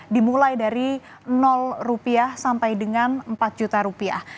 dimulai dari rupiah sampai dengan empat juta rupiah